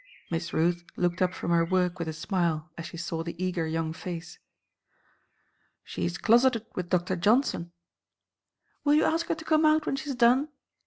Miss Ruth looked up from her work with a smile as she saw the eager young face. "She's closeted with Doctor Johnson." "Will you ask her to come out when she's done?"